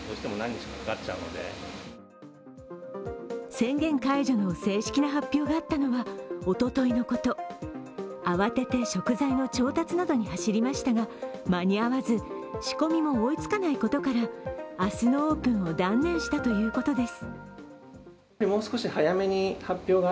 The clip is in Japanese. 宣言解除の正式な発表があったのはおとといのこと、慌てて食材の調達などに走りましたが間に合わず、仕込みも追いつかないことから明日のオープンを断念したということです。